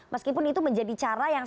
meskipun itu menjadi cara yang